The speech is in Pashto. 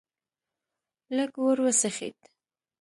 لږ ور وڅخېد.